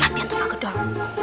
latihan terbakar doang